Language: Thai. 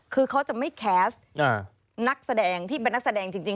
คือเขาจะไม่แคสต์นักแสดงที่เป็นนักแสดงจริง